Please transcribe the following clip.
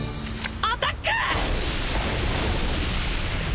アタック！